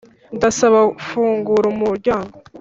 ndasaba; fungura umuryango